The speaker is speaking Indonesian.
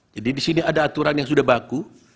jadi di sini ada aturan yang sudah baku